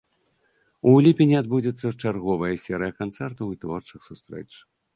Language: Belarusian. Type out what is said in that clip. У ліпені адбудзецца чарговая серыя канцэртаў і творчых сустрэч.